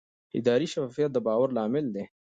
اداري شفافیت د باور لامل دی